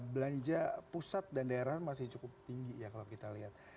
belanja pusat dan daerah masih cukup tinggi ya kalau kita lihat